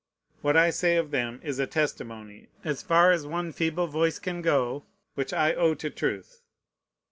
What I say of them is a testimony, as far as one feeble voice can go, which I owe to truth.